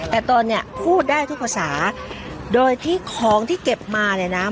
แต่ตนเนี่ยพูดได้ทุกภาษาโดยที่ของที่เก็บมาเนี่ยนะ